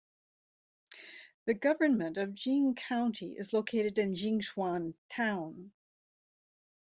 The government of Jing County is located in Jingchuan Town.